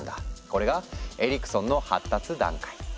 これが「エリクソンの発達段階」。